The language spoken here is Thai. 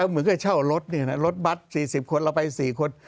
ก็เหมือนกับเช่ารถเนี่ยนะรถบัตรสี่สิบคนเราไปสี่คน